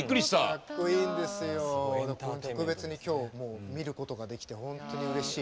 特別に今日見ることができて本当にうれしい。